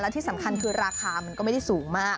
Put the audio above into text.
ที่สำคัญคือราคามันก็ไม่ได้สูงมาก